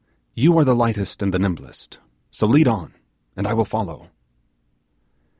You are the lightest and the nimblest, so lead on, and I will follow.